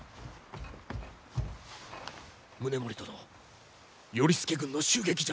宗盛殿頼資軍の襲撃じゃ。